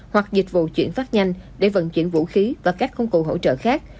hoặc dịch vụ chuyển phát nhanh để vận chuyển vũ khí và các công cụ hỗ trợ khác